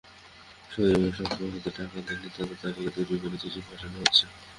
যেসব সদস্য টাকা দেননি, তাঁদের তালিকা তৈরি করে চিঠি পাঠানো হচ্ছে।